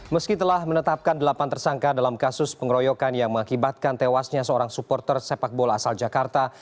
meski telah menetapkan delapan tersangka dalam kasus pengeroyokan yang mengakibatkan tewasnya seorang supporter sepak bola asal jakarta